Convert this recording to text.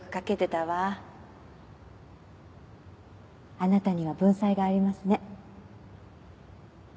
あなたには文才がありますね。